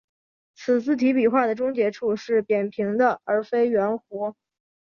此字体笔画的终结处是扁平的而非圆弧。